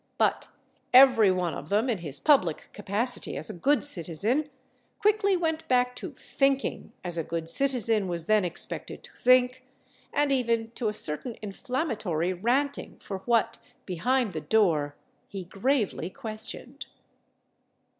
But every one of them, in his public capacity as a good citizen, quickly went back to thinking as a good citizen was then expected to think, and even to a certain inflammatory ranting for what, behind the door, he gravely questioned....